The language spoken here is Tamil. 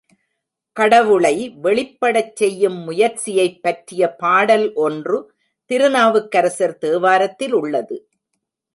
கடவுளை வெளிப்படச் செய்யும் முயற்சியைப் பற்றிய பாடல் ஒன்று திருநாவுக்கரசர் தேவாரத்தில் உள்ளது.